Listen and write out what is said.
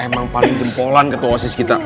emang paling jempolan ketua osis kita